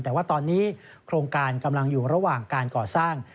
แต่ว่าตอนนี้โครงการกำลังอยู่ระหว่างการก่อสร้าง